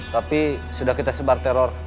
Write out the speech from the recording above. tapi sudah kita sebar teror